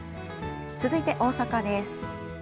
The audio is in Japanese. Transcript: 続いて大阪です。